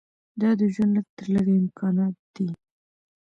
دا د ژوند لږ تر لږه امکانات دي.